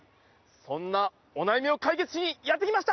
そんなお悩みを解決しにやって来ました。